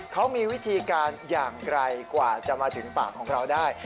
เขามีวิธีการอย่างไรกว่าจะมาถึงปากของเราได้